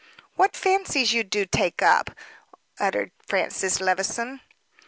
"What fancies you do take up!" uttered Francis Levison.